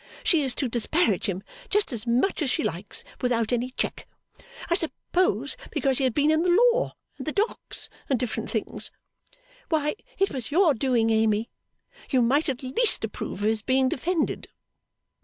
She is to disparage him just as much as she likes, without any check I suppose because he has been in the law, and the docks, and different things. Why, it was your doing, Amy. You might at least approve of his being defended.